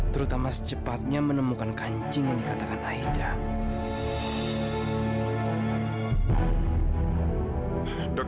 terutama secepatnya untuk mereka menemani bularas ya bapak